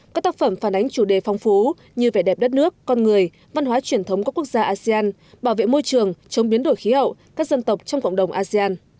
các tác phẩm phản ánh chủ đề phong phú như vẻ đẹp đất nước con người văn hóa truyền thống của quốc gia asean bảo vệ môi trường chống biến đổi khí hậu các dân tộc trong cộng đồng asean